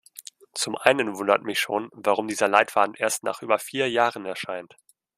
Zum einen wundert mich schon, warum dieser Leitfaden erst nach über vier Jahren erscheint.